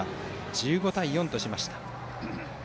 １５対４としました。